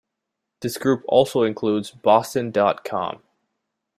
This group also includes boston dot com.